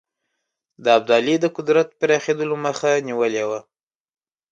د ابدالي د قدرت پراخېدلو مخه نیولې وه.